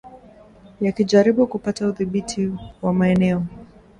yakijaribu kupata udhibiti wa maeneo